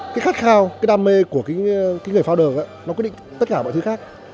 cái khát khao cái đam mê của cái người founder ấy nó quyết định tất cả